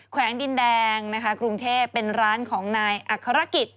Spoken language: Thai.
แวงดินแดงนะคะกรุงเทพเป็นร้านของนายอัครกิจ